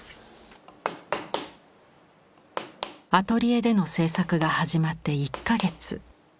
アトリエでの制作が始まって１か月。